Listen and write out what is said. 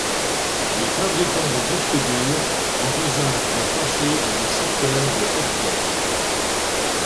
Les fabricants de disques durs envisagent de passer à des secteurs de octets.